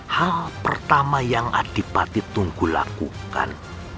hal pertama yang adipati tunggu lakukan